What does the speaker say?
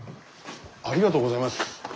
ありがとうございます。